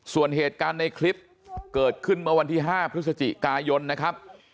ส่วนเหตุการณ์ในคลิปเกิดขึ้นเมื่อวันที่๕พฤศจิกายนนะครับ